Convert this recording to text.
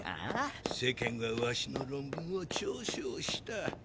世間はワシの論文を嘲笑した。